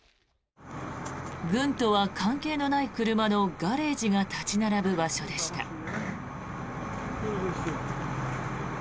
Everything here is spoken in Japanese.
軍とは関係のない車のガレージが立ち並ぶ場所でした。